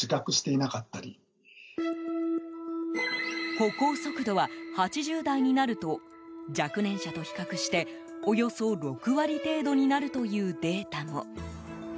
歩行速度は８０代になると若年者と比較しておよそ６割程度になるというデータも。